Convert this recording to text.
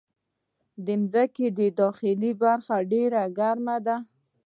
د مځکې داخلي برخه ډېره ګرمه ده.